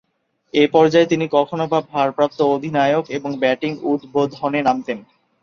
এ পর্যায়ে তিনি কখনোবা ভারপ্রাপ্ত অধিনায়ক ও ব্যাটিং উদ্বোধনে নামতেন।